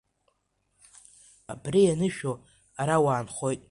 Абри ианышәо, ара уаанхоит.